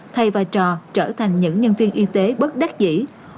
thầy và trò trở thành những nhân viên y tế bất đắc dĩ